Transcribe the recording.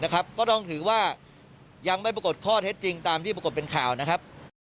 ก็ต้องถือว่ายังไม่ปรากฏข้อเท็จจริงตามที่ปรากฏเป็นข่าวนะครับ